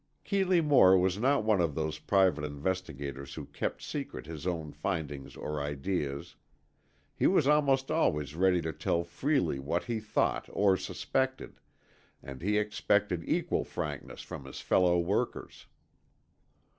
Keeley Moore was not one of those private investigators who kept secret his own findings or ideas. He was almost always ready to tell freely what he thought or suspected, and he expected equal frankness from his fellow workers.